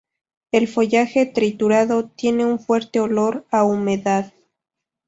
El follaje triturado tiene un fuerte olor a humedad.